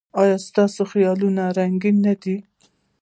ایا ستاسو خیالونه رنګین نه دي؟